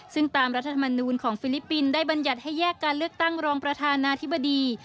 ซึ่งตามรัฐธรรมนูลของฟิลิปปินส์ได้บรรยัติให้แยกการเลือกตั้งรองประธานาธิบดี